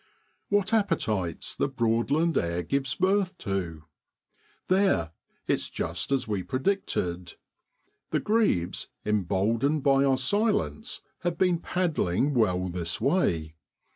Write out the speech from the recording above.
What appetites the Broadland air gives APRIL IN BROADLAND 39 birth to ! There ! it's just as we predicted. The grebes, emboldened by our silence, have been paddling well this way.